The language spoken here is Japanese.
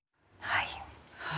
はい。